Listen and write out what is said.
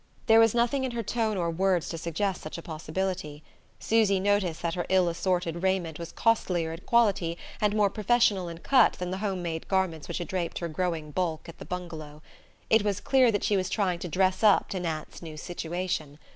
There was nothing in her tone or words to suggest such a possibility. Susy noticed that her ill assorted raiment was costlier in quality and more professional in cut than the home made garments which had draped her growing bulk at the bungalow: it was clear that she was trying to dress up to Nat's new situation.